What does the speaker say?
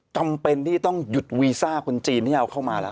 จำเป็นที่ต้องหยุดวีซ่าคนจีนที่เอาเข้ามาแล้ว